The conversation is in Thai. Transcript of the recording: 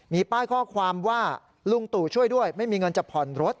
มีป้ายข้อความว่าลุงตู่ช่วยด้วยไม่มีเงินจะผ่อนรถ